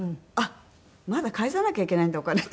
まだ返さなきゃいけないんだお金と思っちゃって。